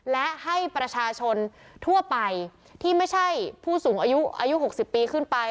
และให้ประชาชนทั่วไปที่ไม่ใช่ผู้สูงอายุอายุ๖๐ปีขึ้นไป